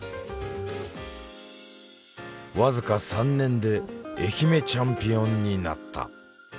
わずか３年で愛媛チャンピオンになった。